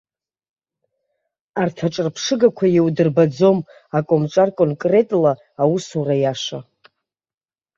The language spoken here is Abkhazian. Арҭ аҿырԥшыгақәа иудырбаӡом акомҿар конкретла аусура иаша.